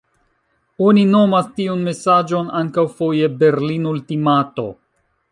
Oni nomas tiun mesaĝon ankaŭ foje Berlin-ultimato.